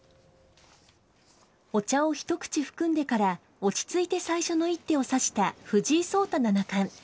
お茶を一口含んでから、落ち着いて最初の一手を指した藤井聡太七冠。